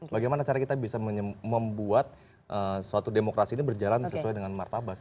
bagaimana cara kita bisa membuat suatu demokrasi ini berjalan sesuai dengan martabat